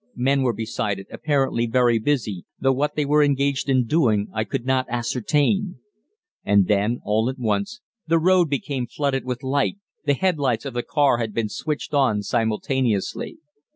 Men were beside it, apparently very busy, though what they were engaged in doing I could not ascertain. And then, all at once, the road became flooded with light the headlights of the car had been switched on simultaneously.